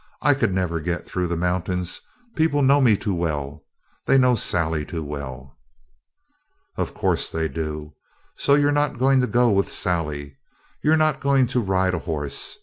"I could never get through the mountains. People know me too well. They know Sally too well." "Of course they do. So you're not going to go with Sally. You're not going to ride a horse.